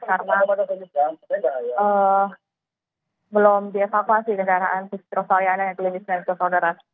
karena belum dievakuasi kendaraan pusik rosaliana yang klinis dan juga saudara